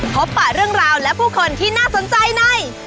พบปะเรื่องราวและผู้คนที่น่าสนใจใน